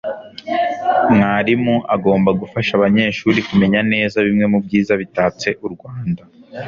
mwarimu agomba gufasha abanyeshuri kumenya neza bimwe mu byiza bitatse u rwanda